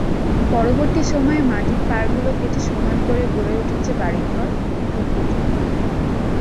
পরবর্তী সময়ে মাটির পাড়গুলো কেটে সমান করে গড়ে উঠেছে বাড়ি-ঘর, পুকুর।